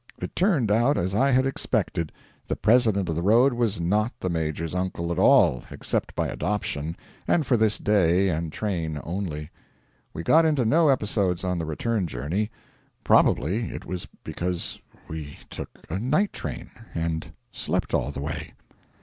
It turned out as I had expected: the President of the road was not the Major's uncle at all except by adoption, and for this day and train only. We got into no episodes on the return journey. Probably it was because we took a night train and slept all the way.